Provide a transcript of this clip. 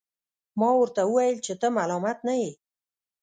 ما ورته وویل چي ته ملامت نه یې.